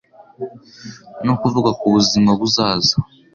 no kuvuga ku buzima buzaza